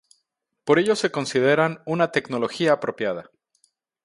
Por ello se consideran una "tecnología apropiada".